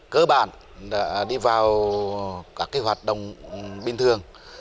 cơ bản đi vào các hoạt động bình thường